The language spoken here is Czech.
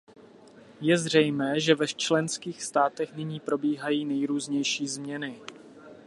Je zřejmé, že ve členských státech nyní probíhají nejrůznější změny.